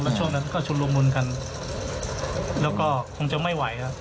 แล้วช่วงนั้นก็ชุดรวมมุลกันแล้วก็คงจะไม่ไหวอ่ะ